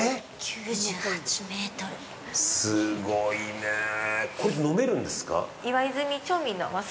９８ｍすごいねこれって飲めるんですか？